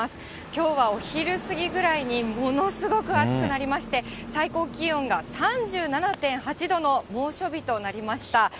きょうはお昼過ぎぐらいにものすごく暑くなりまして、最高気温が３７．８度の猛暑日となりました。